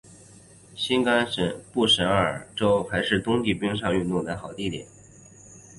新罕布什尔州还是冬季冰上运动的好地点。